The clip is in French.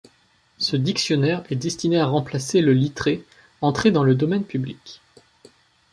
Ce dictionnaire est destiné à remplacer le Littré entré dans le domaine public.